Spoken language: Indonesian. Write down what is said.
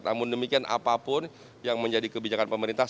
namun demikian apapun yang menjadi kebijakan pemerintah